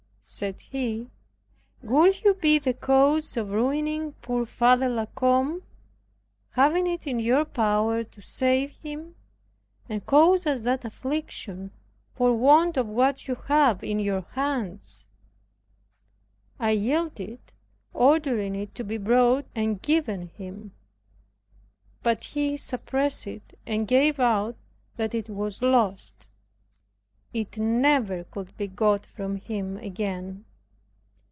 said he, will you be the cause of ruining poor Father La Combe, having it in your power to save him, and cause us that affliction, for want of what you have in your hands." I yielded, ordering it to be brought and given him. But he suppressed it, and gave out that it was lost. It never could be got from him again.